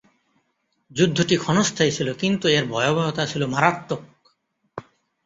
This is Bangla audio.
যুদ্ধটি ক্ষণস্থায়ী ছিল কিন্তু এর ভয়াবহতা ছিল মারাত্মক।